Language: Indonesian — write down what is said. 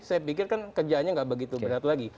saya pikir kan kerjaannya nggak begitu berat lagi